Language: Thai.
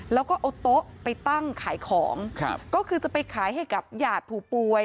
แล้วก็เอาโต๊ะไปตั้งขายของครับก็คือจะไปขายให้กับญาติผู้ป่วย